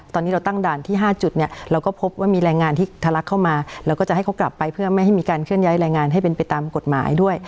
ตอนนี้เราตั้งด่านที่๕จุดเนี่ยเราก็พบว่ามีแรงงานที่ทะลักเข้ามาเราก็จะให้เขากลับไปเพื่อไม่ให้มีการเคลื่อนย้ายแรงงานให้เป็นไปตามกฎหมายด้วย